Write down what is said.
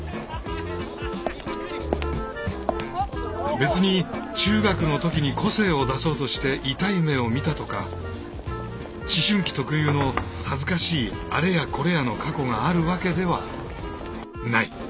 別に中学の時に個性を出そうとしてイタい目を見たとか思春期特有の恥ずかしいあれやこれやの過去があるわけではない。